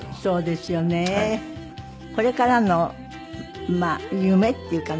これからのまあ夢っていうかな。